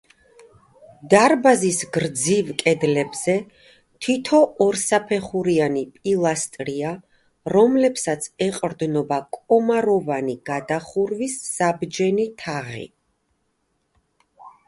დარბაზის გრძივ კედლებზე თითო ორსაფეხურიანი პილასტრია, რომლებსაც ეყრდნობა კამაროვანი გადახურვის საბჯენი თაღი.